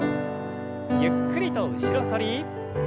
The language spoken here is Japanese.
ゆっくりと後ろ反り。